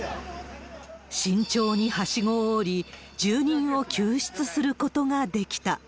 慎重にはしごを下り、住人を救出することができた。